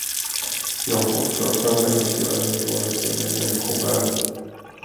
Jag har fått klart för mig, att jag är en varelse med människovärde.